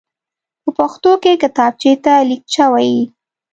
په پښتو کې کتابچېته ليکچه وايي.